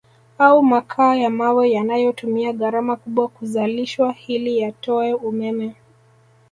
Au makaa ya mawe yanayotumia gharama kubwa kuzalishwa hili yatoe umeme